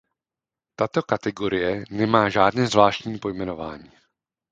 Tato kategorie nemá žádné zvláštní pojmenování.